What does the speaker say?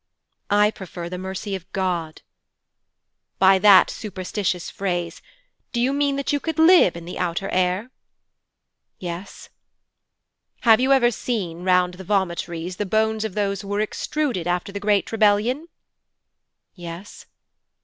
'I prefer the mercy of God.' 'By that superstitious phrase, do you mean that you could live in the outer air?' 'Yes.' 'Have you ever seen, round the vomitories, the bones of those who were extruded after the Great Rebellion?' 'Yes.'